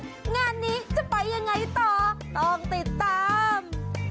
งานนี้จะไปยังไงต่อต้องติดตาม